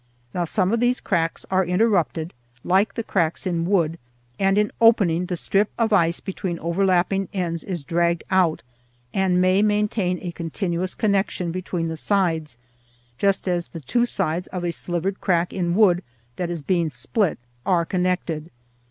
Now some of these cracks are interrupted, like the cracks in wood, and in opening, the strip of ice between overlapping ends is dragged out, and may maintain a continuous connection between the sides, just as the two sides of a slivered crack in wood that is being split are connected.